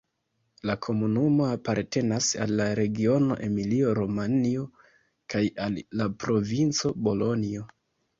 La komunumo apartenas al la regiono Emilio-Romanjo kaj al la provinco Bolonjo.